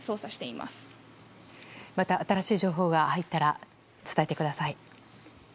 また新しい情報が入ったら伝えてください。